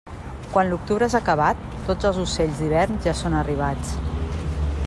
Quan l'octubre és acabat, tots els ocells d'hivern ja són arribats.